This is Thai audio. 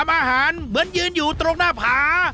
อาหารเหมือนยืนอยู่ตรงหน้าผา